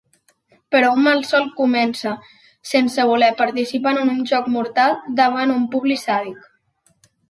Però un malson comença: sense voler, participen en un joc mortal davant un públic sàdic.